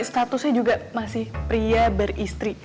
statusnya juga masih pria beristri